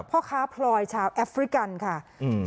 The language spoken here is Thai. พ่อค้าพลอยชาวแอฟริกันค่ะอืม